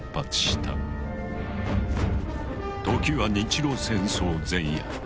時は日露戦争前夜。